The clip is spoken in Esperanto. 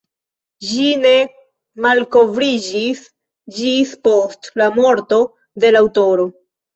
Ĝi ne malkovriĝis ĝis post la morto de la aŭtoro.